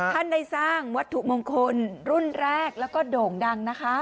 ท่านได้สร้างวัตถุมงคลรุ่นแรกแล้วก็โด่งดังนะคะ